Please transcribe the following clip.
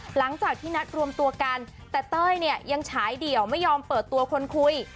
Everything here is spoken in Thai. หลังจากที่นัดรวมตัวกันแต่เต้ยเนี่ยยังฉายเดี่ยวไม่ยอมเปิดตัวคนคุย